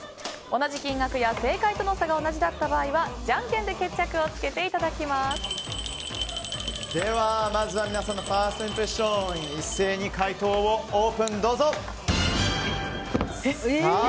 同じ金額や正解との差が同じだった場合はじゃんけんででは、まずは皆さんのファーストインプレッション一斉に解答をオープン！